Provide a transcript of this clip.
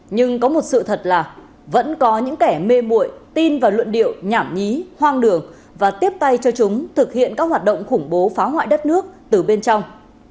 nhưng có một sự thật là vẫn có những kẻ mê mụi tin vào luận điệu nhảm nhí hoang đường và tiếp tay cho chúng thực hiện các hoạt động khủng bố phá hoại đất nước từ bên trong